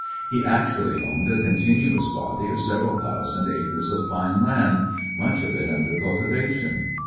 He actually owned a continuous body of several thousand acres of fine land, much of it under cultivation.